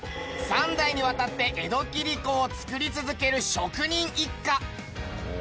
３代にわたって江戸切子を作り続ける職人一家。